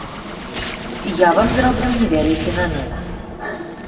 Я вам зраблю невялікі намёк.